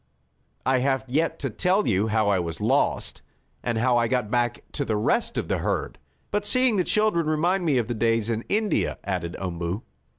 "I have yet to tell you how I was lost, and how I got back to the rest of the herd. But seeing the children remind me of the days in India," added Umboo.